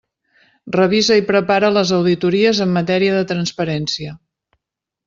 Revisa i prepara les auditories en matèria de transparència.